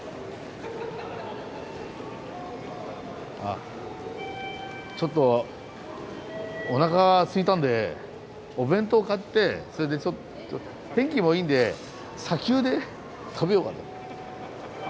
あちょっとおなかがすいたんでお弁当買ってそれでちょっと天気もいいんで砂丘で食べようかと。